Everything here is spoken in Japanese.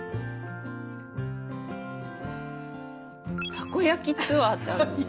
たこやきツアーってある。